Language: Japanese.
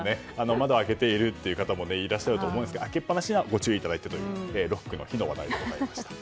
窓を開けているという方もいらっしゃると思うんですが開けっ放しにはご注意いただいてロックの日という話題でした。